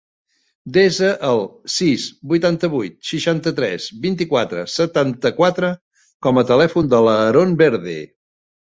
Desa el sis, vuitanta-vuit, seixanta-tres, vint-i-quatre, setanta-quatre com a telèfon de l'Aaron Verde.